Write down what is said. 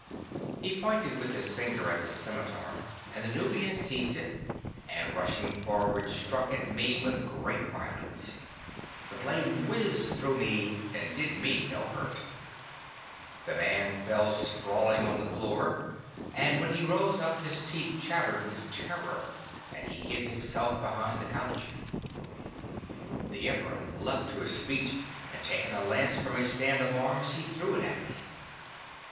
'He pointed with his finger at the scimitar, and the Nubian seized it, and rushing forward struck at me with great violence. The blade whizzed through me, and did me no hurt. The man fell sprawling on the floor, and when he rose up his teeth chattered with terror and he hid himself behind the couch. 'The Emperor leapt to his feet, and taking a lance from a stand of arms, he threw it at me.